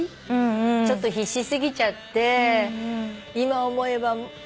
ちょっと必死すぎちゃって今思えば。